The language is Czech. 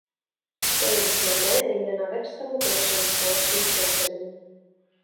To je významné zejména ve vztahu k našim společným sousedům.